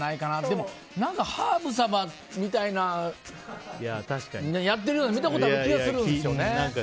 でも、ハーブサバみたいなのやってるのを見たことある気がするんですよね。